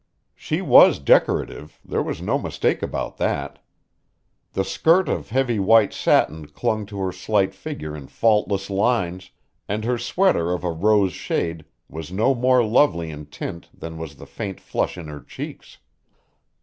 She was decorative, there was no mistake about that. The skirt of heavy white satin clung to her slight figure in faultless lines, and her sweater of a rose shade was no more lovely in tint than was the faint flush in her cheeks.